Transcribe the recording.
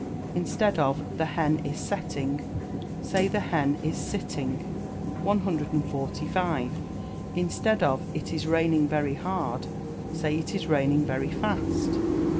Instead of "The hen is setting," say "The hen is sitting." 145. Instead of "It is raining very hard," say "It is raining very fast."